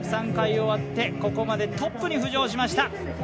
３回終わってここまでトップに浮上しました。